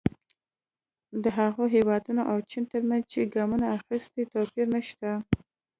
د هغو هېوادونو او چین ترمنځ چې ګامونه اخیستي توپیر نه شته.